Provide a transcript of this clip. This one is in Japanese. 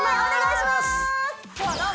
お願いします